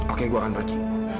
oke gue akan pergi